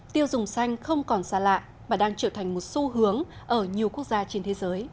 tiêu dùng xanh không còn xa lạ và đang trở thành một xu hướng ở nhiều quốc gia trên thế giới